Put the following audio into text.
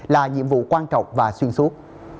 là nhiệm vụ quan trọng và xuyên suốt